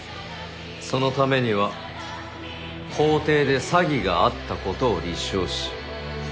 そのためには法廷で詐欺があったことを立証し。